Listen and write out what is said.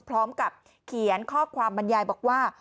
พร้อมกับเขียนข้อความบรรยายบอกว่า